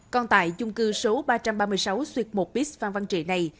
còn tại chung cư số ba trăm ba mươi sáu xuyệt một ps phan văn trị này